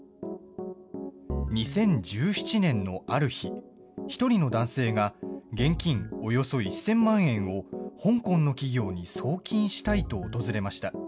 ２０１７年のある日、１人の男性が、現金およそ１０００万円を、香港の企業に送金したいと訪れました。